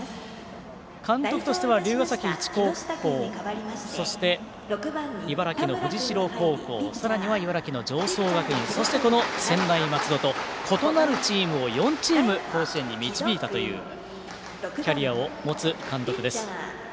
監督としては龍ヶ崎一高校そして、茨城の藤代高校さらには、茨城の常総学院そして、この専大松戸と異なるチームを４チーム甲子園に導いたというキャリアを持つ監督です。